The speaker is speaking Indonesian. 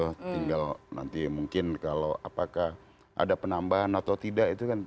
oh tinggal nanti mungkin kalau apakah ada penambahan atau tidak itu kan